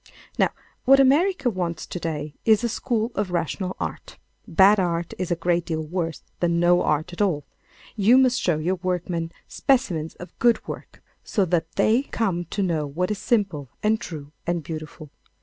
Now, what America wants to day is a school of rational art. Bad art is a great deal worse than no art at all. You must show your workmen specimens of good work so that they come to know what is simple and true and beautiful.